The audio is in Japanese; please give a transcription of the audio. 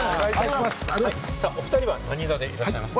お２人は何座でいらっしゃいますか？